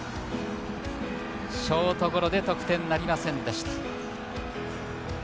ショートゴロで得点なりませんでした。